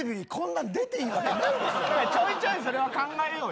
ちょいちょいそれは考えようよ。